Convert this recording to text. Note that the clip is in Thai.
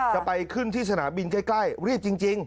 ไปขึ้นที่สนามบินใกล้รีบจริง